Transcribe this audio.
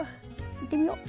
いってみよう。